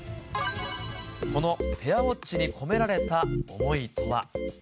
このペアウォッチに込められた思いとは。